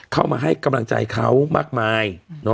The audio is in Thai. เข้ามาให้กำลังใจเขามากมาย